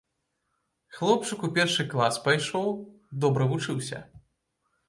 Хлопчык у першы клас пайшоў, добра вучыўся.